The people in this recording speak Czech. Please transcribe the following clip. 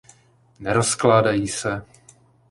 Nerozkládají se.